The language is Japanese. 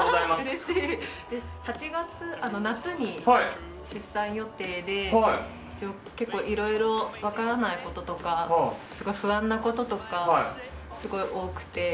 夏に出産予定で結構いろいろ分からないこととか不安なこととかすごい多くて。